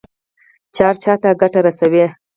چې هر چا ته ګټه رسوي.